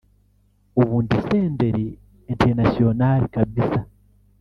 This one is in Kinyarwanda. ubu ndi Senderi International kabisa